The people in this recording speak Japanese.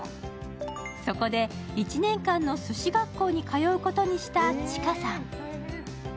そこで１年間のすし学校に通うことにしたｃｈｉｋａさん。